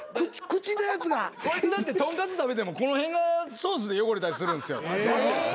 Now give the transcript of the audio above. こいつだってとんかつ食べてもこの辺がソースで汚れたりするんですよ。